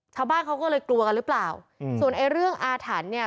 ชาวบ้านเขาก็เลยกลัวกันหรือเปล่าอืมส่วนไอ้เรื่องอาถรรพ์เนี่ย